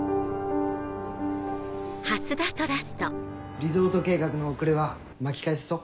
リゾート計画の遅れは巻き返せそう？